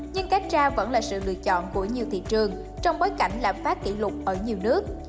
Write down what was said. nhưng cacha vẫn là sự lựa chọn của nhiều thị trường trong bối cảnh lãm phát kỷ lục ở nhiều nước